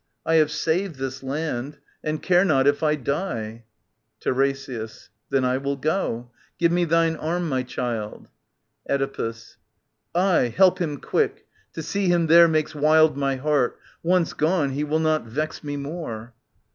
I have saved this land, and care not if I die. TiRESIAS. Then I will go. — Give me thine arm, my child. Oedipus. Aye, help him quick. — To see him there makes wild My heart. Once gone, he will not vex me more.